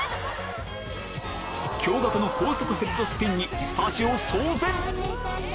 驚愕の高速ヘッドスピンにスタジオ騒然！